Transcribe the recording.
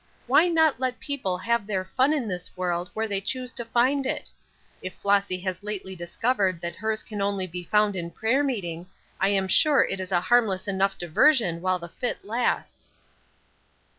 Why not let people have their fun in this world where they choose to find it? If Flossy has lately discovered that hers can only be found in prayer meeting, I am sure it is a harmless enough diversion while the fit lasts."